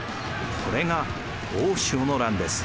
これが大塩の乱です。